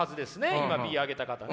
今Ｂあげた方ね。